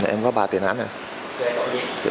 em có ba tiền án này